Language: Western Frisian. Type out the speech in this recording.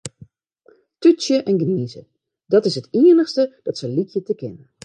Tútsje en gnize, dat is it iennichste dat se lykje te kinnen.